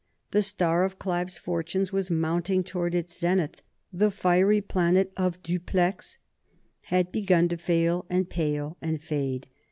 The star of Clive's fortunes was mounting towards its zenith; the fiery planet of Dupleix had begun to fail and pale and fade.